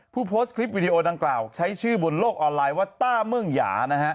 ผู้โพสต์คลิปวิดีโอดังกล่าวใช้ชื่อบนโลกออนไลน์ว่าต้าเมืองหยานะฮะ